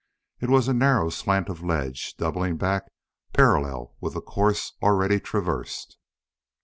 It was a narrow slant of ledge, doubling back parallel with the course already traversed.